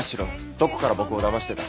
どこから僕をだましてた？